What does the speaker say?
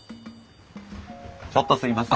ちょっとすいません。